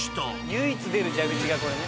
唯一出る蛇口がこれね。